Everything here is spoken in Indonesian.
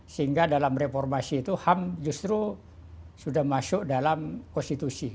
sehingga dalam reformasi itu ham justru sudah masuk dalam konstitusi